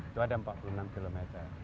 itu ada empat puluh enam km